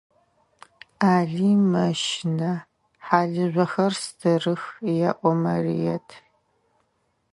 Алый мэщынэ, хьалыжъохэр стырых, – elo Марыет.